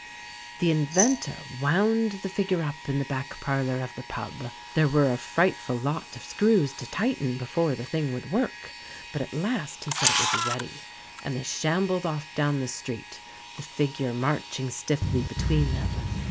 The Inventor wound the figure up in the back parlour of the pub. There were a frightful lot of screws to tighten before the thing would work, but at last he said it was ready, and they shambled off down the street, the figure marching stiffly between them.